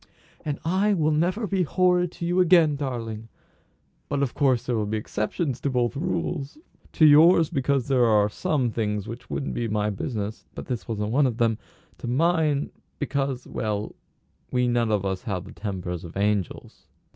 "And I will never be horrid to you again, darling! But of course there will be exceptions to both rules; to yours because there are some things which wouldn't be my business (but this wasn't one of them); to mine, because well we none of us have the tempers of angels."